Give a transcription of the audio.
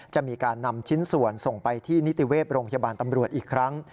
จะมีการนำชิ้นส่วนส่งไปที่นิติเวศโรงพยาบาลตำรวจอีกครั้ง